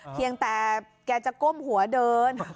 เพียงแต่แกจะก้มหัวเดิน